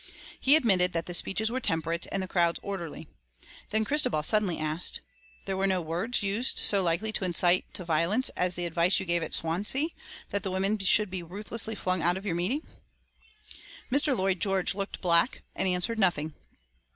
He admitted that the speeches were temperate and the crowds orderly. Then Christabel suddenly asked, "There were no words used so likely to incite to violence as the advice you gave at Swansea, that the women should be ruthlessly flung out of your meeting?" Mr. Lloyd George looked black, and answered nothing.